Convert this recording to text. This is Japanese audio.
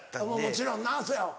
もちろんなそやわ。